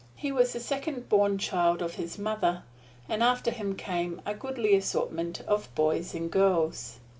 He was the second born child of his mother, and after him came a goodly assortment of boys and girls.